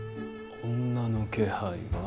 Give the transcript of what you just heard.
女の気配は。